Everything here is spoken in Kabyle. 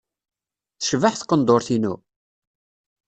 Tecbeḥ tqendurt-inu?